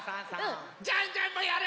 ジャンジャンもやる！